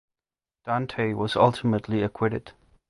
Dante was ultimately acquitted.